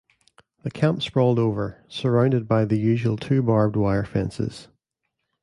The camp sprawled over surrounded by the usual two barbed-wire fences.